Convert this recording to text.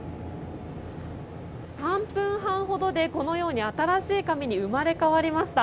３分半ほどでこのように新しい紙に生まれ変わりました。